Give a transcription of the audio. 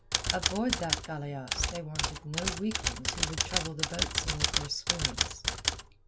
Aboard that galeasse they wanted no weaklings who would trouble the boatswain with their swoonings.